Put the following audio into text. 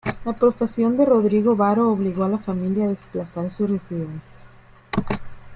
La profesión de Rodrigo Varo obligó a la familia a desplazar su residencia.